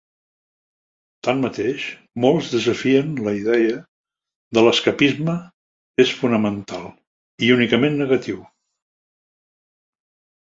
Tanmateix, molts desafien la idea que l'escapisme és fonamentalment i únicament negatiu.